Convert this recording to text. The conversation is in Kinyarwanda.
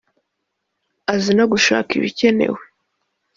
azi no gushaka ibikenewe